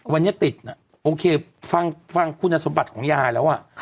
วันนี้ติดโอเคฟังคุณสมบัติของยายแล้ว